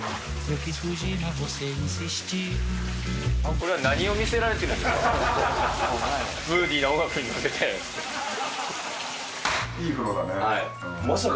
これは何を見せられているんですか？